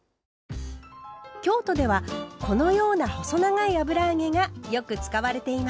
京都ではこのような細長い油揚げがよく使われています。